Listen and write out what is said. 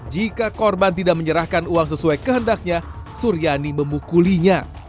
jika korban tidak menyerahkan uang sesuai kehendaknya suryani memukulinya